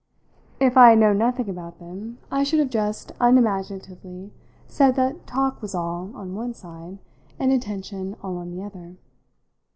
If I had known nothing about them I should have just unimaginatively said that talk was all on one side and attention all on the other.